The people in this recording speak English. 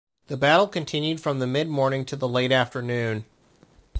The battle continued from the mid-morning to the late afternoon.